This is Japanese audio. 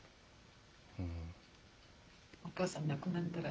お母さん亡くなったら。